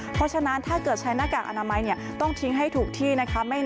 เพราะฉะนั้นถ้าเกิดใช้หน้ากากอนามัยต้องทิ้งให้ถูกที่นะคะ